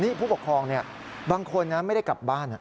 นี่ผู้ปกครองบางคนไม่ได้กลับบ้าน